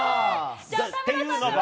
じゃあ、田村さんから。